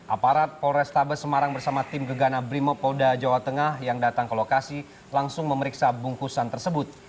aparat polrestabes semarang bersama tim gegana brimopolda jawa tengah yang datang ke lokasi langsung memeriksa bungkusan tersebut